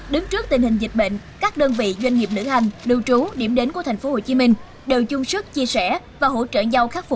đứng trước tình hình dịch bệnh các đơn vị doanh nghiệp lữ hành lưu trú điểm đến của tp hcm đều chung sức chia sẻ và hỗ trợ nhau